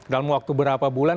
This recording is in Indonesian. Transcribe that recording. dalam waktu berapa bulan